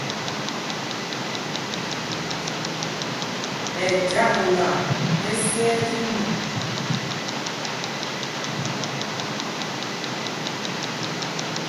Ɛ chyakla mɛ́syɛɛ tí nup.